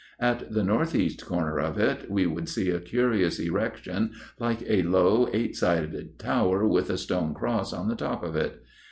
At the north east corner of it we should see a curious erection like a low, eight sided tower, with a stone cross on the top of it.